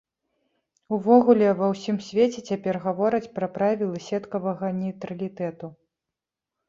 Увогуле ва ўсім свеце цяпер гавораць пра правілы сеткавага нейтралітэту.